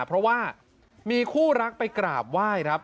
เพราะว่ามีคู่รักไปกราบไหว้ครับ